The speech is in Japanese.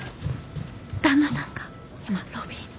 旦那さんが今ロビーに。